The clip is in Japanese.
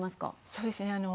そうですね